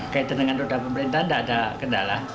kaitan dengan roda pemerintahan tidak ada kendala